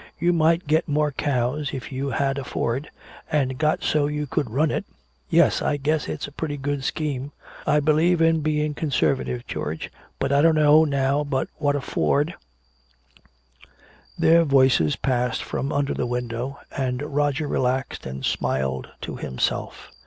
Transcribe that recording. "You might get more cows if you had a Ford an' got so you could run it. Yes, I guess it's a pretty good scheme. I believe in being conservative, George but I dunno now but what a Ford " Their voices passed from under the window, and Roger relaxed and smiled to himself.